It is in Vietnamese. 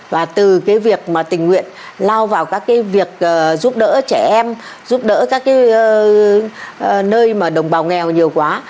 và từ cái việc mà tình nguyện lao vào các cái việc giúp đỡ trẻ em giúp đỡ các cái nơi mà đồng bào nghèo nhiều quá